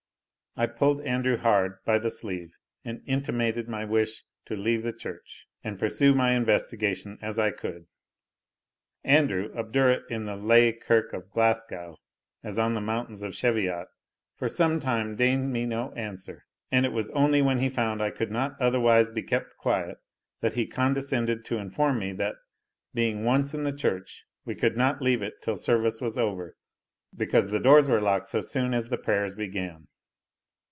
I pulled Andrew hard by the sleeve, and intimated my wish to leave the church, and pursue my investigation as I could. Andrew, obdurate in the Laigh Kirk of Glasgow as on the mountains of Cheviot, for some time deigned me no answer; and it was only when he found I could not otherwise be kept quiet, that he condescended to inform me, that, being once in the church, we could not leave it till service was over, because the doors were locked so soon as the prayers began.